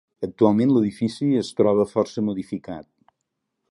Actualment l'edifici es troba força modificat.